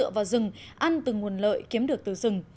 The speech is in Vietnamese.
vào rừng ăn từ nguồn lợi kiếm được từ rừng